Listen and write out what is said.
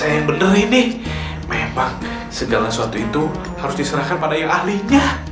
saya yang benar ini memang segala sesuatu itu harus diserahkan pada yang ahlinya